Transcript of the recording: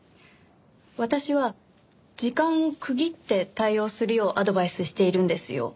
私は時間を区切って対応するようアドバイスしているんですよ。